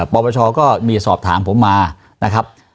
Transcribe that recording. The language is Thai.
ปปชก็มีสอบถามผมมานะครับ